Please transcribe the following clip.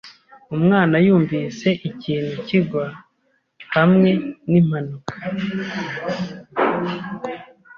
Umwana yumvise ikintu kigwa hamwe nimpanuka.